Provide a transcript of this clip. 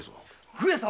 上様！